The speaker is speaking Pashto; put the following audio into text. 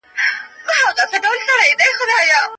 دوی به د غوښتنو د کنټرول لپاره په خپل شخصیت باندي پوره واک لرل.